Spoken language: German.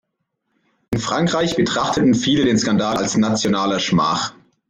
In Frankreich betrachteten viele den Skandal als nationale Schmach.